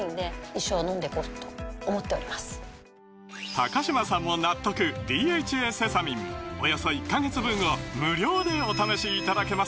高嶋さんも納得「ＤＨＡセサミン」およそ１カ月分を無料でお試しいただけます